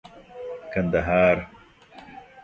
کندهار